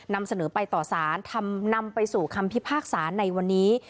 นำเสนอไปต่อสารนำไปสู่คำพิพากษาในวันนี้